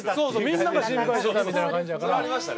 みんなが心配してたみたいな感じやから。